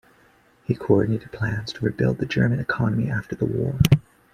He coordinated plans to rebuild the German economy after the war.